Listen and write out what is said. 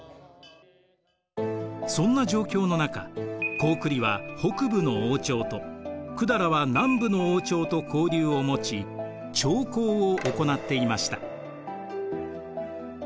そんな状況の中高句麗は北部の王朝と百済は南部の王朝と交流をもち朝貢を行っていました。